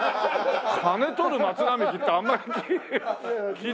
金取る松並木ってあんまり聞いた事ない。